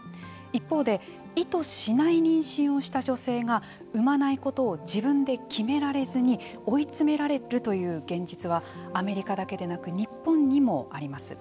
一方で、意図しない妊娠をした女性が産まないことを自分で決められずに追い詰められるという現実はアメリカだけでなく日本にもあります。